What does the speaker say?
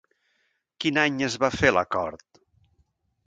Quin any es va fer l'acord?